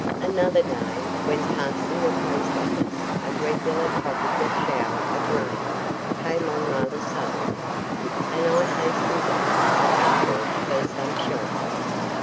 Another day, when passing the Post office, a regular tropical shower of rain came on rather suddenly, and I hastened up to the platform for shelter.